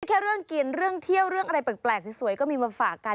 แค่เรื่องกินเรื่องเที่ยวเรื่องอะไรแปลกสวยก็มีมาฝากกัน